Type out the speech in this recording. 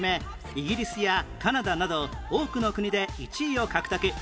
イギリスやカナダなど多くの国で１位を獲得